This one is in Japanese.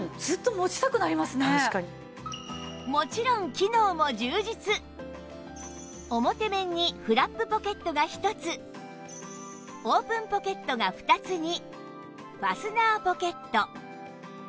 もちろんおもて面にフラップポケットが１つオープンポケットが２つにファスナーポケット